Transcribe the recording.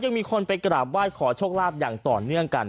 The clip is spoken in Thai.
ยังมีคนไปกราบไหว้ขอโชคลาภอย่างต่อเนื่องกัน